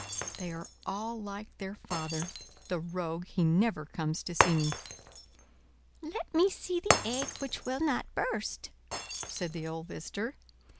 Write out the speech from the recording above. They are all like their father: the rogue, he never comes to see me." "Let me see the egg which will not burst," said the old visitor.